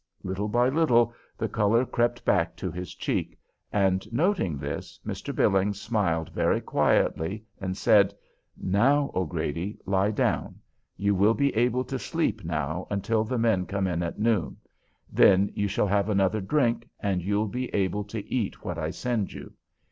Little by little the color crept back to his cheek; and, noting this, Mr. Billings smiled very quietly, and said, "Now, O'Grady, lie down; you will be able to sleep now until the men come in at noon; then you shall have another drink, and you'll be able to eat what I send you.